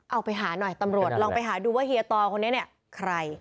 เอาไปหาหน่อยตำรวจลองไปหาดูว่าเฮียตอคนนี้เนี่ยใคร